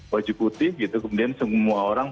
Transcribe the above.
baju putih gitu kemudian semua orang